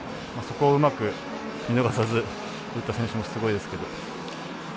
そこをうまく見逃さず打った選手もすごいですけど。